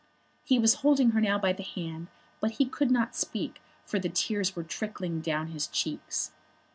He was holding her now by the hand, but he could not speak for the tears were trickling down his cheeks.